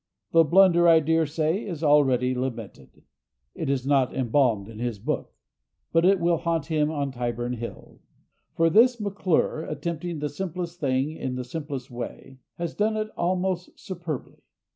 The blunder, I daresay, is already lamented; it is not embalmed in his book. But it will haunt him on Tyburn Hill. For this McClure, attempting the simplest thing in the simplest way, has done it almost superbly.